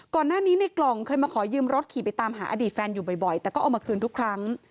ก่อนหน้านี้ในกล่องเคยมาขอยืมรถขี่ไปตามหาอดีตแฟนอยู่บ่อยแต่ก็เอามาคืนทุกครั้ง